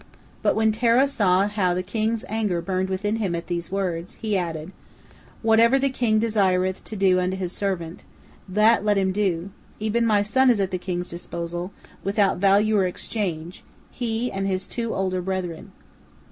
But when Terah saw how the king's anger burned within him at these words, he added, "Whatever the king desireth to do unto his servant, that let him do, even my son is at the king's disposal, without value or exchange, he and his two older brethren."